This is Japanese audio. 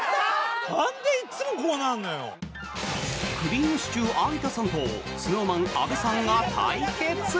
くりぃむしちゅー、有田さんとＳｎｏｗＭａｎ、阿部さんが対決！